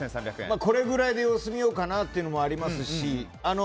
これぐらいで様子を見ようかなというのもありますし。